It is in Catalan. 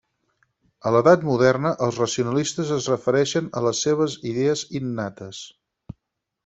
A l'edat moderna els racionalistes el refereixen a les seves idees innates.